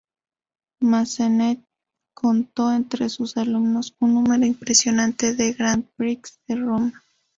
Massenet contó entre sus alumnos un número impresionante de Grand prix de Roma.